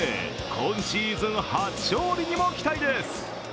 今シーズン初勝利にも期待です。